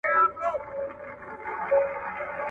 • پنډ ته مه گوره، ايمان تې گوره.